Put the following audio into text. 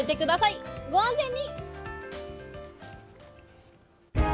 ご安全に！